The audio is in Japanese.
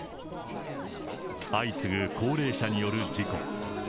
相次ぐ高齢者による事故。